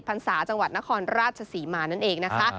พรรษาจังหวัดนครราชศรีมานั่นเองนะคะ